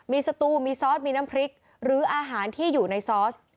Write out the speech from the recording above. มีสตูมีซอสมีน้ำพริกหรืออาหารที่อยู่ในซอส